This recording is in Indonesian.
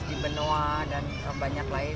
di benoa dan banyak lain